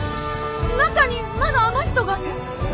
中にまだあの人が！え？